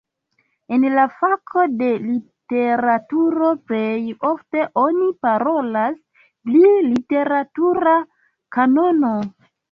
En la fako de literaturo plej ofte oni parolas pri literatura kanono.